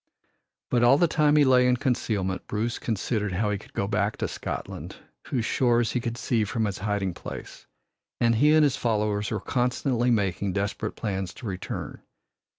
But all the time he lay in concealment Bruce considered how he could go back to Scotland, whose shores he could see from his hiding place, and he and his followers were constantly making desperate plans to return.